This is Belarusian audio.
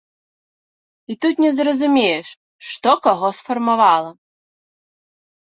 І тут не зразумееш, што каго сфармавала.